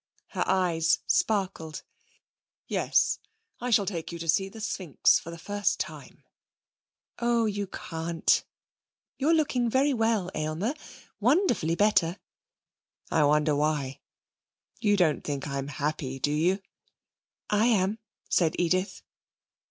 Her eyes sparkled. 'Yes, I shall take you to see the Sphinx. For the first time.' 'Oh, you can't. You're looking very well, Aylmer, wonderfully better.' 'I wonder why? You don't think I'm happy, do you?' 'I am,' said Edith.